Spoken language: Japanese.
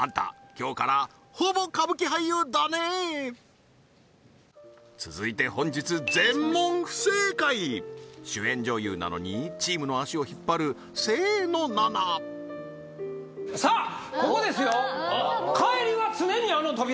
今日からほぼ歌舞伎俳優だね続いて本日全問不正解主演女優なのにチームの足を引っ張る清野菜名さあここですよはははっ